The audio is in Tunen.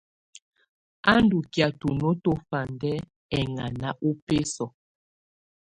A ndù kɛ̀á tuno tùfandɛ ɛŋana ᴜbɛsɔ̀.